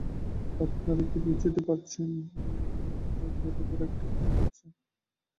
আপনারা কি বুঝতে পারছেন এটা কত বড়ো একটা ব্যাপার হচ্ছে!